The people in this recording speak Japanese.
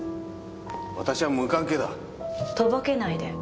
私は無関係だ。とぼけないで。